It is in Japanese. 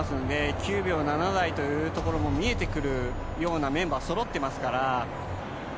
９秒７台というところも見えてくるようなメンバーがそろっていますから。